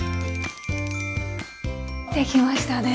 できましたね。